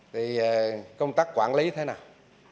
thì công tác quản lý thế nào